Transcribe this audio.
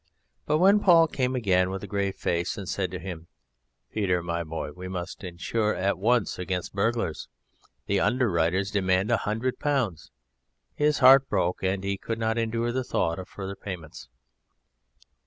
But when Paul came again with a grave face and said to him, "Peter, my boy, we must insure at once against burglars: the underwriters demand a hundred pounds," his heart broke, and he could not endure the thought of further payments.